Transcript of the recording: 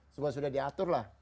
semua sudah diatur lah